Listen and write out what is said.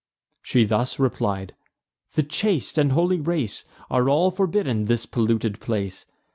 She thus replied: "The chaste and holy race Are all forbidden this polluted place.